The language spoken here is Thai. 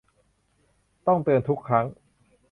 ต้องเตือนอีกครั้ง